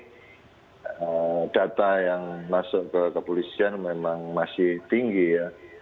sampai saat ini data yang masuk ke kepolisian memang masih tinggi ya